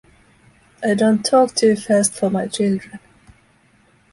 I don't talk too fast for my children!